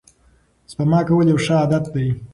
سپما کول یو ښه عادت دی.